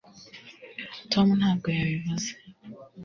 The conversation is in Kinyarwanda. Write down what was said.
tom ntabwo yabivuze